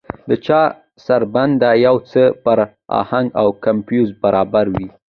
د چا سرېنده يو څه پر اهنګ او کمپوز برابره وي.